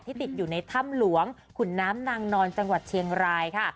ติดอยู่ในถ้ำหลวงขุนน้ำนางนอนจังหวัดเชียงรายค่ะ